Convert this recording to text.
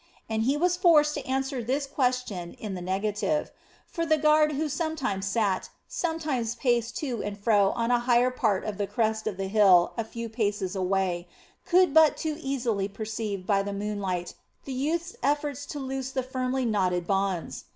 And he was forced to answer this question in the negative; for the guard who sometimes sat, sometimes paced to and fro on a higher part of the crest of the hill a few paces away, could but too easily perceive, by the moonlight, the youth's efforts to loose the firmly knotted bonds.